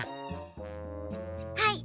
はい。